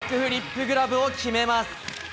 バックフリップグラブを決めます。